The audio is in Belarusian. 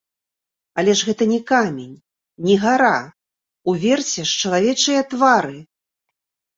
Але ж гэта не камень, не гара, уверсе ж чалавечыя твары!